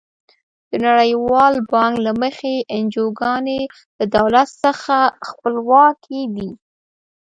د نړیوال بانک له مخې انجوګانې له دولت څخه خپلواکې دي.